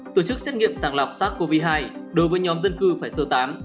tổ chức xét nghiệm sàng lọc sars cov hai đối với nhóm dân cư phải sơ tán